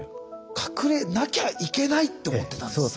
隠れなきゃいけないって思ってたんですね。